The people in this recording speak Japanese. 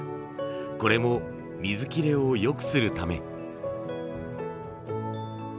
これも水切れを良くするため。